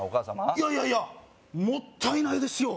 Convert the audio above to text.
いやいやいやもったいないですよ